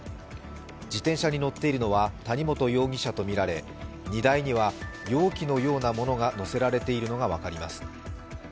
自転車に乗っているのは谷本容疑者とみられ、荷台には容器のようなものが載せられているのが分かります。